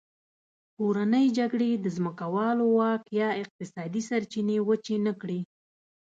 کورنۍ جګړې د ځمکوالو واک یا اقتصادي سرچینې وچې نه کړې.